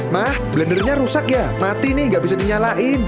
mah blendernya rusak ya mati nih gak bisa dinyalain